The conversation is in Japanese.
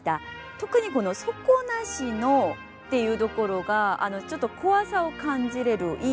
特にこの「底なしの」っていうところがちょっと怖さを感じれるいい表現ですよね。